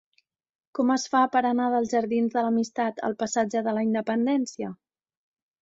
Com es fa per anar dels jardins de l'Amistat al passatge de la Independència?